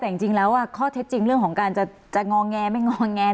แต่จริงแล้วข้อเท็จจริงเรื่องของการจะงอแงไม่งอแง